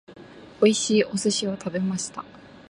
美味しいお寿司を食べました。